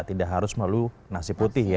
tidak harus melalui nasi putih ya